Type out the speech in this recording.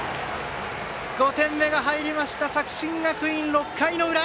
５点目が入りました作新学院、６回の裏。